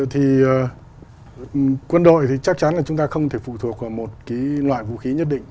thì quân đội thì chắc chắn là chúng ta không thể phụ thuộc vào một loại vũ khí nhất định